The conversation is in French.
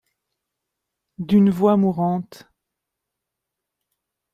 D’une voix mourante.